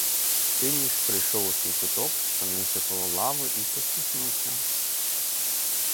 Тиміш прийшов у свій куток, спинився коло лави і посміхнувся.